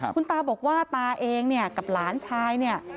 คุณตาบอกว่าตาเองกับหลานชาย